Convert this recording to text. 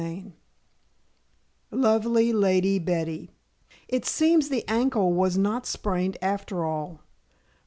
CHAPTER VII LOVELY LADY BETTY It seems the ankle was not sprained after all.